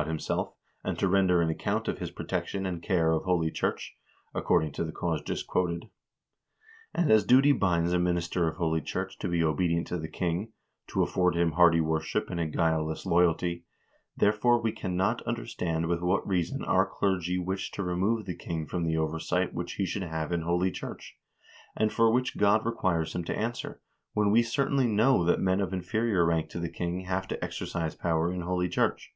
i — 2d 402 HISTORY OF THE NORWEGIAN PEOPLE himself, and to render an account of his protection and care of holy church, according to the cause just quoted; and as duty binds a minister of holy church to be obedient to the king, to afford him hearty worship and a guileless loyalty ; therefore we cannot under stand with what reason our clergy wish to remove the king from the oversight which he should have in holy church, and for which God requires him to answer, when we certainly know that men of inferior rank to the king have to exercise power in holy church.